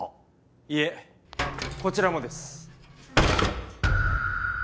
いえこちらもです。